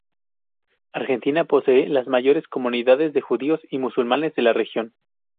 Argentina posee las mayores comunidades de judíos y musulmanes de la región.